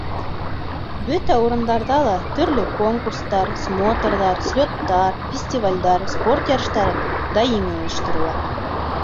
Бөтә урындарҙа ла төрлө конкурстар, смотрҙар, слеттар, фестивалдәр, спорт ярыштары даими ойошторола.